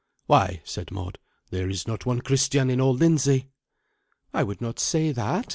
"Why," said Mord, "there is not one Christian in all Lindsey." "I would not say that.